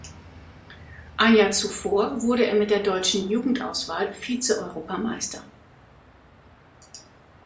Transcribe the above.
Ein Jahr zuvor wurde er mit der deutschen Jugendauswahl Vize-Europameister.